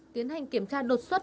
tiến hành kiểm tra đột xuất